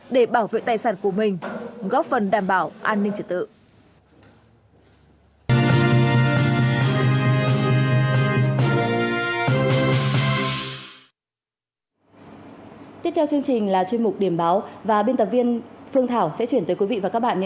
để bảo vệ tài sản của mình góp phần đảm bảo an ninh trật tự